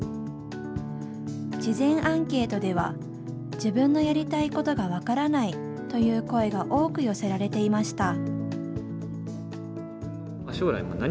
事前アンケートでは自分のやりたいことが分からないという声が多く寄せられていました。